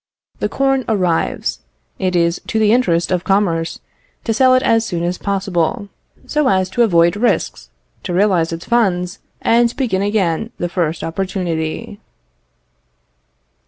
The corn arrives: it is to the interest of commerce to sell it as soon as possible, so as to avoid risks, to realise its funds, and begin again the first opportunity.